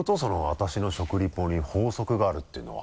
私の食リポに法則があるっていうのは。